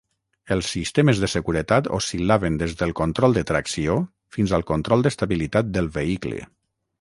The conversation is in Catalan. Els sistemes de seguretat oscil·laven des del control de tracció fins al control d'estabilitat del vehicle.